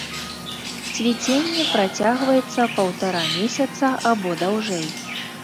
Цвіценне працягваецца паўтара месяца або даўжэй.